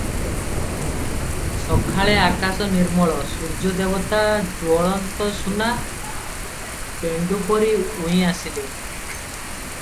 ସକାଳେ ଅକାଶ ନିର୍ମଳ, ସୁର୍ଯ୍ୟଦେବତା ଜ୍ୱଳନ୍ତସୁନା ପେଣ୍ଡୁ ପରି ଉଇଁ ଆସିଲେ ।